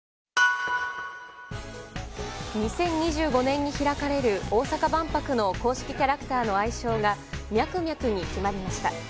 ２０２５年に開かれる大阪万博の公式キャラクターの愛称がミャクミャクに決まりました。